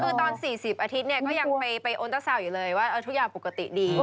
คือตอน๔๐อาทิตย์เนี่ยก็ยังไปโอนเตอร์ซาวน์อยู่เลยว่าทุกอย่างปกติดี